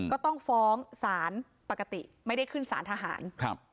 ก็ต้องฟ้องสารปกติไม่ได้ขึ้นสารทหาร